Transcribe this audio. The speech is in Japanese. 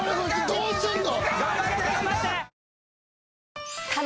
どうすんの？